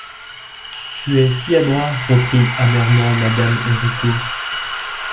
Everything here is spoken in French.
Tu es si adroit, reprit amèrement Mme Héricourt.